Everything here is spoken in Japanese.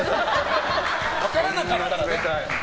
分からなかったらね。